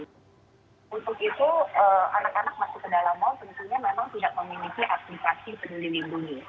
untuk itu anak anak masuk ke dalam mal tentunya memang tidak memiliki aplikasi peduli lindungi